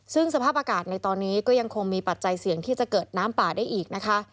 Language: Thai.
ซึ่งสภาพอากาศในตอนนี้ก็ยังคงมีปัจจัยเสี่ยงที่จะเกิดน้ำป่าได้อีกนะคะ